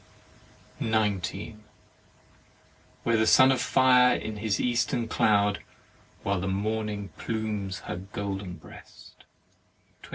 19. Where the Son of Fire in his Eastern cloud, while the Morning plumes her golden breast, 20.